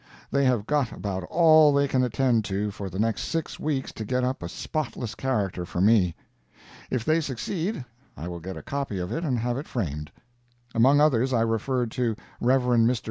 They have got about all they can attend to for the next six weeks to get up a spotless character for me. If they succeed, I will get a copy of it and have it framed. Among others, I referred to Rev. Mr.